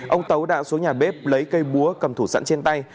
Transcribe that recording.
ông tấu đã xuống nhà bếp lấy cây búa cầm thủ sẵn trên tay